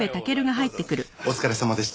お疲れさまでした。